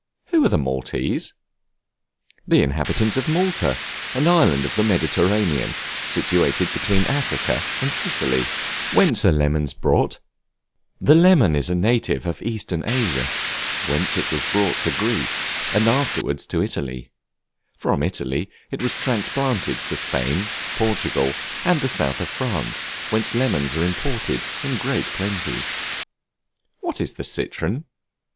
Who are the Maltese? The inhabitants of Malta, an island of the Mediterranean, situated between Africa and Sicily. Whence are Lemons brought? The Lemon is a native of Eastern Asia, whence it was brought to Greece, and afterwards to Italy; from Italy it was transplanted to Spain, Portugal, and the South of France, whence lemons are imported in great plenty. What is the Citron?